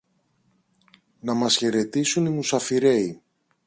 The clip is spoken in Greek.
να μας χαιρετήσουν οι μουσαφιρέοι